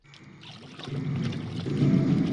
城市的居民主要是马来诺人。